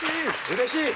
うれしい！